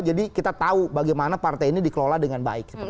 jadi kita tahu bagaimana partai ini dikelola dengan baik